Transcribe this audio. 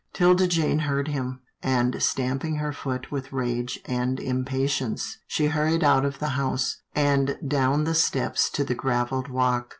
'Tilda Jane heard him, and stamping her foot with rage and impatience, she hurried out of the house, and down the steps to the gravelled walk.